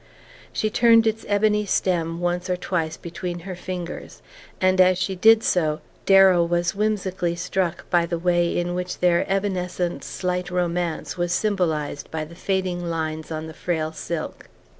She turned its ebony stem once or twice between her fingers, and as she did so Darrow was whimsically struck by the way in which their evanescent slight romance was symbolized by the fading lines on the frail silk.